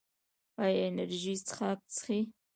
ایا انرژي څښاک څښئ؟